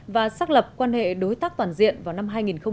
và xác lập quan hệ đối tác toàn diện vào năm hai nghìn chín